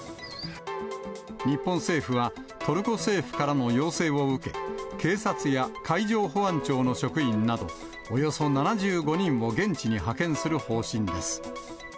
日本政府は、トルコ政府からの要請を受け、警察や海上保安庁の職員など、およそ７５人を現地に派遣する方針です。